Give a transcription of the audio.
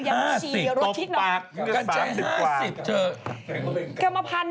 ยังฉี่รถที่นอน๕๐กรัมปาก